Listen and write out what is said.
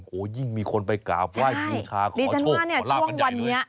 โอ้โฮยิ่งมีคนไปกราบไหว้ภูชาขอโชคขอราบกันใหญ่ด้วย